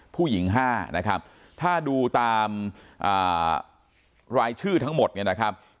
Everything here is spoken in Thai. ผู้หญิง๕นะครับถ้าดูตามรายชื่อทั้งหมดเนี่ยนะครับ